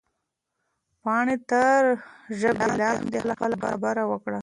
پاڼې تر ژبه لاندې خپله خبره وکړه.